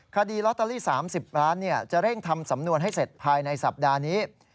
คดีลอตเตอรี่๓๐ล้านจะเร่งทำสำนวนให้เสร็จภายในสัปดาห์นี้